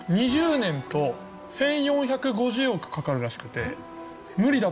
２０年と１４５０億かかるらしくて。